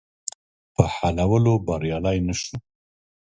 په حلولو بریالی نه شو.